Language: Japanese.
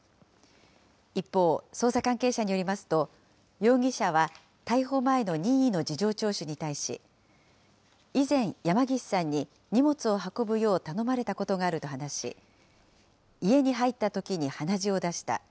一方、捜査関係者によりますと、容疑者は逮捕前の任意の事情聴取に対し、以前、山岸さんに荷物を運ぶよう頼まれたことがあると話し、家に入ったときに鼻血を出した。